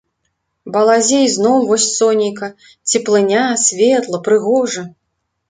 Балазе ізноў вось сонейка, цеплыня, светла, прыгожа.